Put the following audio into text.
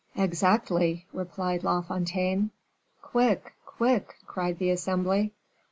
"Exactly," replied La Fontaine. "Quick, quick!" cried the assembly.